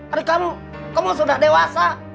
hari kamu kamu sudah dewasa